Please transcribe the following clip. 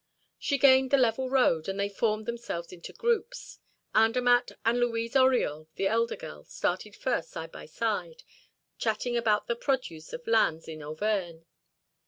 She gained the level road, and they formed themselves into groups. Andermatt and Louise Oriol, the elder girl, started first side by side, chatting about the produce of lands in Auvergne.